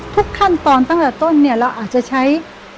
ทุกขั้นตอนตั้งแต่ต้นเนี่ยเราอาจจะใช้